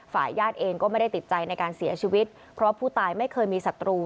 ญาติเองก็ไม่ได้ติดใจในการเสียชีวิตเพราะผู้ตายไม่เคยมีศัตรู